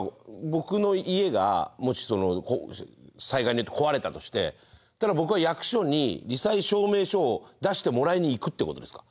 僕の家がもし災害によって壊れたとして僕は役所にり災証明書を出してもらいに行くってことですか？